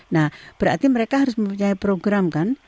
nah berarti mereka harus mempunyai program kan